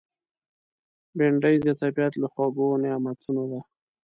بېنډۍ د طبیعت له خوږو نعمتونو ده